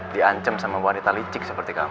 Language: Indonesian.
diancam sama wanita licik seperti kamu